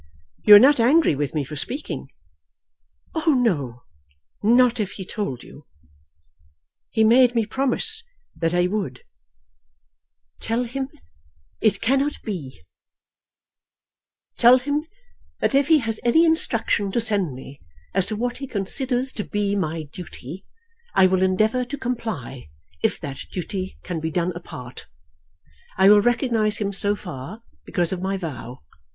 "You are not angry with me for speaking?" "Oh, no not if he told you." "He made me promise that I would." "Tell him it cannot be. Tell him that if he has any instruction to send me as to what he considers to be my duty, I will endeavour to comply, if that duty can be done apart. I will recognize him so far, because of my vow.